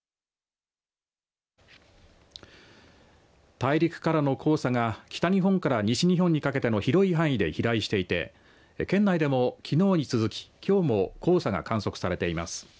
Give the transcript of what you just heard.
大陸からの黄砂が北日本から西日本にかけての広い範囲で飛来していて県内でも、きのうに続ききょうも黄砂が観測されています。